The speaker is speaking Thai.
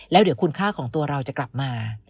แล้วเดี๋ยวคุณค่าของตัวเราจะกลับมา